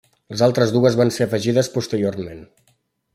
Les altres dues van ser afegides posteriorment.